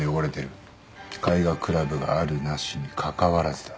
絵画クラブがあるなしにかかわらずだ。